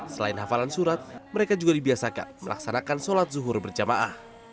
selain hafalan surat mereka juga dibiasakan melaksanakan sholat zuhur berjamaah